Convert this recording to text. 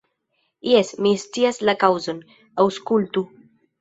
Jes, mi scias la kaŭzon; aŭskultu.